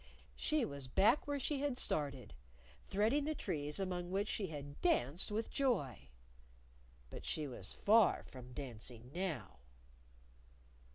She was back where she had started, threading the trees among which she had danced with joy. But she was far from dancing now!